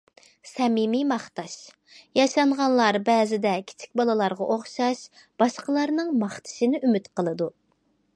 سەمىمىي ماختاش: ياشانغانلار بەزىدە كىچىك بالىلارغا ئوخشاش باشقىلارنىڭ ماختىشىنى ئۈمىد قىلىدۇ.